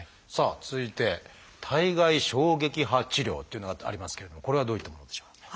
さあ続いて「体外衝撃波治療」というのがありますけれどこれはどういったものでしょう？